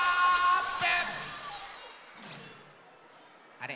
あれ？